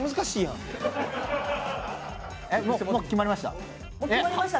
もう決まりました？